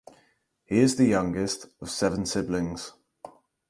He is the youngest of seven siblings.